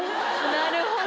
なるほど。